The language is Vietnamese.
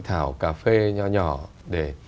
thảo cà phê nhỏ nhỏ để